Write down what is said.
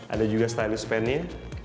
ada juga stylus pennya